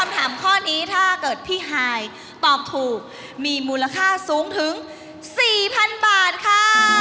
คำถามข้อนี้ถ้าเกิดพี่ฮายตอบถูกมีมูลค่าสูงถึง๔๐๐๐บาทค่ะ